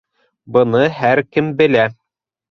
Быны һәр кем белә.